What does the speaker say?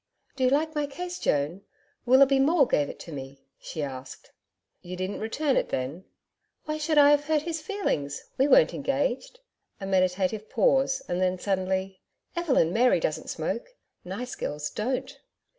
'Do you like my case, Joan? Willoughby Maule gave it to me,' she asked. 'You didn't return it then?' 'Why should I have hurt his feelings? We weren't engaged.' A meditative pause and then suddenly, 'Evelyn Mary doesn't smoke. Nice girls don't!'